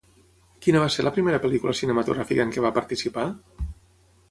Quina va ser la primera pel·lícula cinematogràfica en què va participar?